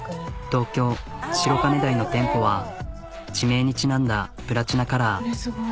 東京白金台の店舗は地名にちなんだプラチナカラー。